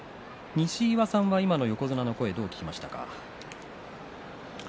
西岩さんは今の横綱の声をどう聞きましたか。